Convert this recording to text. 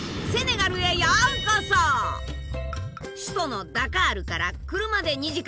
首都のダカールから車で２時間。